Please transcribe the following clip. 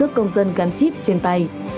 các công dân gắn chip trên tay